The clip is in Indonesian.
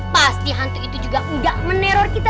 pasti hantu itu juga enggak meneror kita